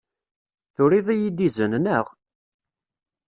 Turiḍ-iyi-d izen, naɣ?